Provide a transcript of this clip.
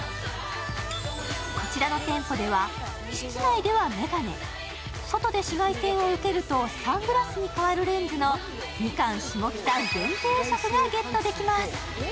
こちらの店舗では、室内では眼鏡、外で紫外線を受けるとサングラスに変わるレンズのミカン下北限定色がゲットできます。